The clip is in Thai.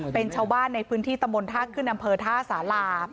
เป็นชาวบ้านในพื้นที่ตำบลท่าขึ้นอำเภอท่าสารา